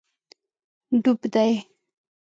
ډوب دی